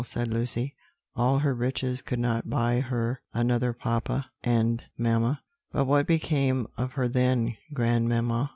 said Lucy; "all her riches could not buy her another papa and mamma. But what became of her then, grandmamma?"